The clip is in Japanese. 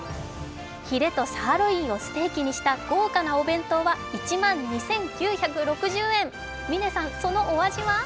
ひれとサーロインをステーキにした豪華なお弁当は１万２９６０円嶺さん、そのお味は？